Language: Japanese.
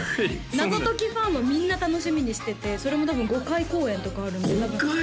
謎解きファンはみんな楽しみにしててそれも多分５回公演とかあるんで５回！